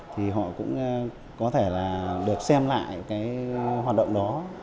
thì họ cũng có thể là được xem lại cái hoạt động đó